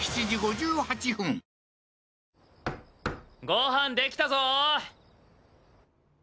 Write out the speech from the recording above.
ご飯できたぞー！